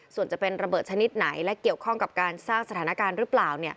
ส่วนจะเป็นระเบิดชนิดไหนและเกี่ยวข้องกับการสร้างสถานการณ์หรือเปล่า